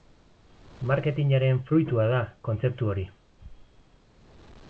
Marketingaren fruitua da kontzeptu hori.